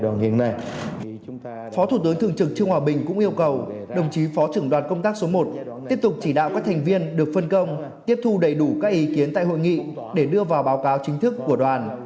tiếp tục chỉ đạo các thành viên được phân công tiếp thu đầy đủ các ý kiến tại hội nghị để đưa vào báo cáo chính thức của đoàn